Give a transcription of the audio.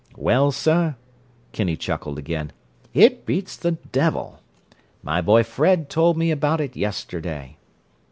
"Well, sir," Kinney chuckled again, "it beats the devil! My boy Fred told me about it yesterday.